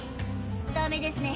ダメですね